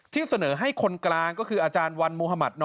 ที่เสนอให้คนกลางก็คืออวันมมน